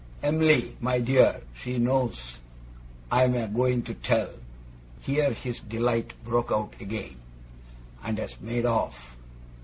Em'ly, my dear! She knows I'm a going to tell,' here his delight broke out again, 'and has made off.